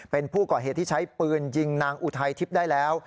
เป็นผู้ก่อเหตุที่ใช้ปืนยิงนางอุทัยทิพย์ได้แล้ว